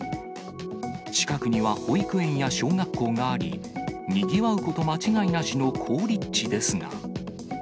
近くには保育園や小学校があり、にぎわうこと間違いなしの好立地ですが。